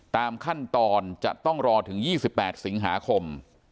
ตามขั้นตอนจะต้องรอถึง๒๘สิงหาคม